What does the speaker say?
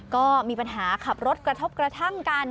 ก็มีปัญหาขับรถกระทบกระทั่งกัน